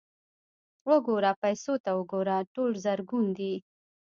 _وګوره، پيسو ته وګوره! ټول زرګون دي.